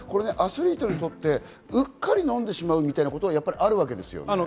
アスリートにとって、うっかり飲んでしまうみたいなことはあるわけですよね。